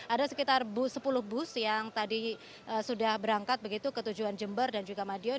ada sekitar sepuluh bus yang tadi sudah berangkat begitu ke tujuan jember dan juga madiun